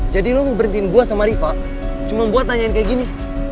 jadi lo mau berhentiin gue sama riva cuma buat nanyain kayak gini